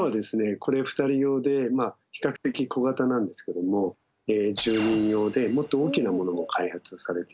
これ２人用で比較的小型なんですけども１０人用でもっと大きなものも開発されています。